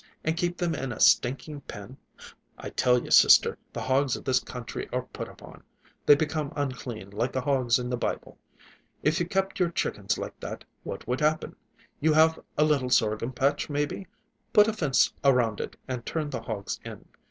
And keep them in a stinking pen? I tell you, sister, the hogs of this country are put upon! They become unclean, like the hogs in the Bible. If you kept your chickens like that, what would happen? You have a little sorghum patch, maybe? Put a fence around it, and turn the hogs in.